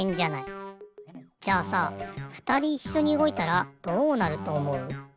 じゃあさふたりいっしょにうごいたらどうなるとおもう？